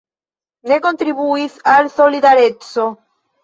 Ne kontribuis al Solidareco.